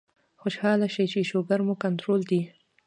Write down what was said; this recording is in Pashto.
خوشاله شئ چې شوګر مو کنټرول دے